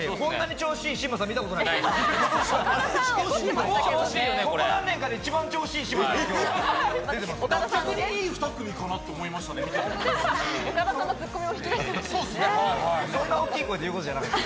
調子のいい嶋佐さん、見たことないです。